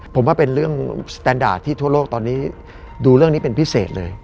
ผมว่าเป็นเรื่องสแตนดาร์ที่ทั่วโลกตอนนี้ดูเรื่องนี้เป็นพิเศษเลย